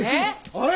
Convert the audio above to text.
あれ？